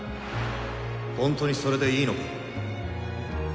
本当にそれでいいのか？